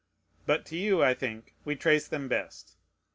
But to you, I think, we trace them best.